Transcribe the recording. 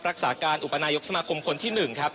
รักษาการอุปนายกสมาคมคนที่๑ครับ